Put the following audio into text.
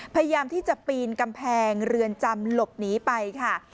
พยายามที่จะปีนกำแพงเรือนจำหลบหนีไปค่ะ